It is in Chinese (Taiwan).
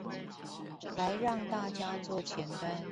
來讓大家做前端